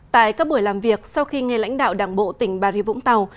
tại các buổi làm việc sau khi nghe lãnh đạo đảng bộ tỉnh bà rịa vũng tàu